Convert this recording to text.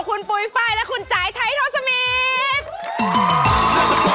คุณปุ๊ยไฟและคุณจัยไท้ท่อสมีท